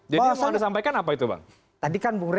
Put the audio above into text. jadi yang anda sampaikan apa itu bang